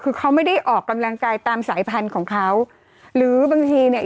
คือเขาไม่ได้ออกกำลังกายตามสายพันธุ์ของเขาหรือบางทีเนี่ย